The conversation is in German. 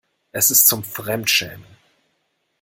Es ist zum Fremdschämen.